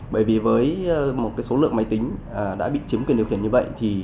bởi vì với một số lượng máy tính đã bị chiếm quyền điều khiển như vậy